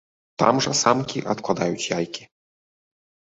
Там жа самкі адкладаюць яйкі.